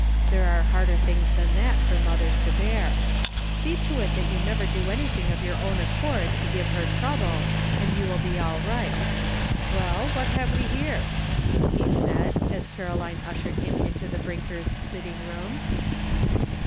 There are harder things than that for mothers to bear. See to it that you never do anything of your own accord to give her trouble, and you will be all right. Well, what have we here?" he said, as Caroline ushered him into Mrs. Brinker's sitting room.